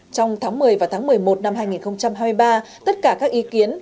trong tháng một mươi và tháng một mươi một năm hai nghìn hai mươi ba tất cả các ý kiến